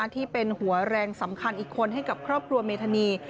ที่เป็นหัวแรงสำคัญอีกคนให้กับครอบครัวเมธานี